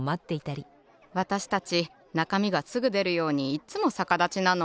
わたしたちなかみがすぐでるようにいっつもさかだちなの。